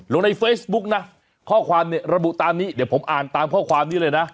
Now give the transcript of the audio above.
ลงในเฟซบุ๊กนะข้อความเนี่ยระบุตามนี้เดี๋ยวผมอ่านตามข้อความนี้เลยนะ